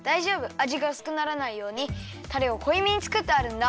あじがうすくならないようにタレをこいめにつくってあるんだ。